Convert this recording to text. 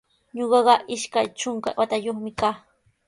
Ñuqaqa ishka trunka watayuqmi kaa.